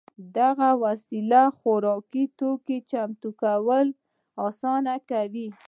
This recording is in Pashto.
دغې وسیلې خوراکي توکو چمتو کول اسانه کول